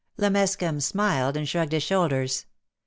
Le Mescam smiled, and shrugged his shoulders.